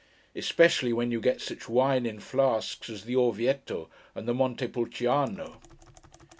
Especially, when you get such wine in flasks, as the Orvieto, and the Monte Pulciano.